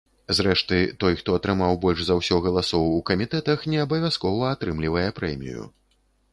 Зрэшты, той, хто атрымаў больш за ўсё галасоў у камітэтах, не абавязкова атрымлівае прэмію.